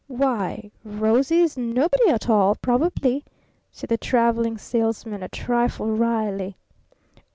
"Why, 'Rosie' is nobody at all probably," said the Traveling Salesman a trifle wryly.